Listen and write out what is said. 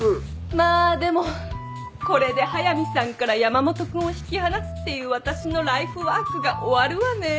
まあでもこれで速見さんから山本君を引き離すっていう私のライフワークが終わるわね。